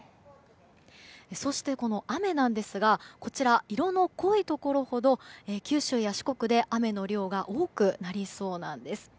そして、この雨なんですがこちらの色の濃いところほど九州や四国で雨の量が多くなりそうなんです。